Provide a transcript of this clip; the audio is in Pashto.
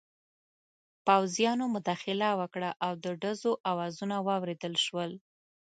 پوځیانو مداخله وکړه او د ډزو اوازونه واورېدل شول.